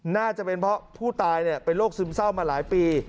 น่าจะเป็นเพราะผู้ตายเป็นโรคซึมเศร้ามาหลายปี